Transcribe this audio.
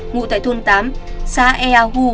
ngụ tại thôn tám xã ea hu